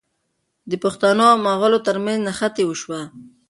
د پښتنو او مغلو ترمنځ نښته وشوه.